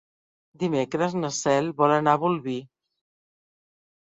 Dimecres na Cel vol anar a Bolvir.